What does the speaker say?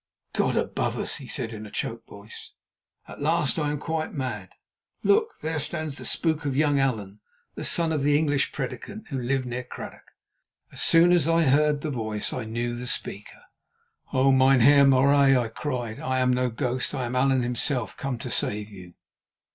"God above us!" he said in a choked voice, "at last I am quite mad. Look! there stands the spook of young Allan, the son of the English prédicant who lived near Cradock." As soon as I heard the voice I knew the speaker. "Oh, Mynheer Marais!" I cried, "I am no ghost, I am Allan himself come to save you."